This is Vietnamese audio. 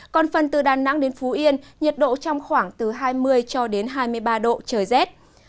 còn phần từ đà nẵng đến phú yên nhiệt độ trong khoảng từ hai mươi cho đến hai mươi ba độ trời rét